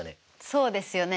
そうですよね。